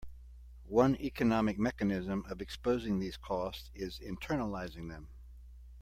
One economic mechanism of exposing these costs is internalizing them.